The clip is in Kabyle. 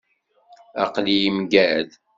Aql-iyi mgal.